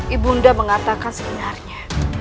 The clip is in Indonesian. ibu dinda mengatakan seginarnya